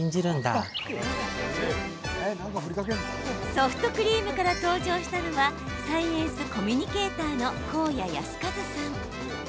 ソフトクリームから登場したのはサイエンスコミュニケーターの甲谷保和さん。